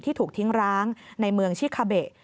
ถูกทิ้งร้างในเมืองชิคาเบะ